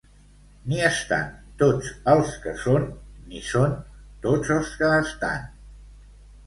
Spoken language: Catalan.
Ni estan tots els que són, ni són tots els que estan.